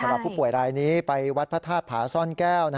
ผู้ป่วยรายนี้ไปวัดพระธาตุผาซ่อนแก้ว